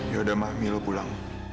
yaudah ma milo pulang